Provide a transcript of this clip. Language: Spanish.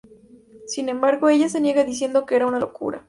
Sin embargo, ella se niega diciendo que era una locura.